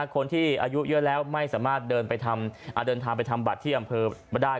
คนที่อายุเยอะแล้วไม่สามารถเดินทางไปทำบัตรที่อำเภอมาได้